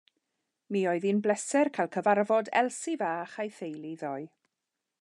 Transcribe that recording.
Mi oedd hi'n bleser cael cyfarfod Elsi fach a'i theulu ddoe.